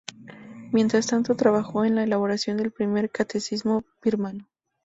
Mientras tanto, trabajó en la elaboración del primer catecismo birmano.